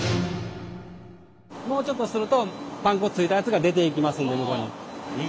もうちょっとするとパン粉ついたやつが出ていきますんで向こうに。